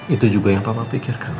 itu juga yang bapak pikirkan